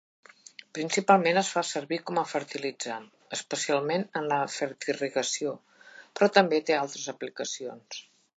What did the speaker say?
Principalment es fa servir com fertilitzant, especialment en la fertirrigació, però també té altres aplicacions.